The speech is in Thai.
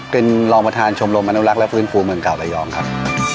เป็นรองประธานชมรมอนุรักษ์และฟื้นฟูเมืองเก่าระยองครับ